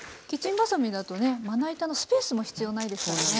キッチンばさみだとねまな板のスペースも必要ないですからね。